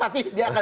pasti dia akan